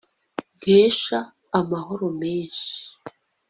nkesha amahoro menshi